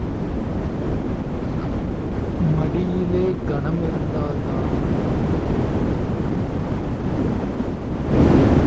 மடியிலே கனமிருந்தால்தான் வழியிலே பயம்.